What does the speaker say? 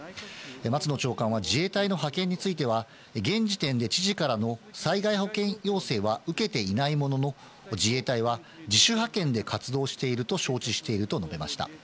松野長官は自衛隊の派遣については、現時点で知事からの災害派遣要請は受けていないものの、自衛隊は自主派遣で活動していると承知していると述べました。